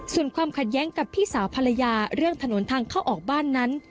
ส่วนความขัดแย้งกับพี่สาวภรรยาเรื่องถนนทางเข้าออกบ้านนั้น